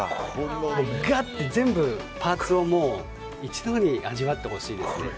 ガッて、全部パーツを一度に味わってほしいですね。